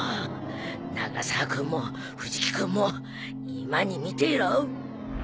永沢君も藤木君も今に見ていろ